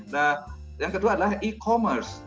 nah yang kedua adalah e commerce